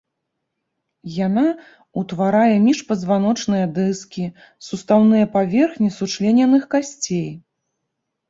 Яна ўтварае міжпазваночныя дыскі, сустаўныя паверхні сучлененых касцей.